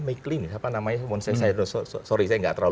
sorry saya tidak terlalu